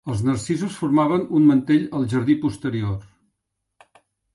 Els narcisos formaven un mantell al jardí posterior.